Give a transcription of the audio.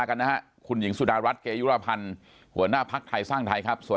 โทษโทษโทษโทษโทษ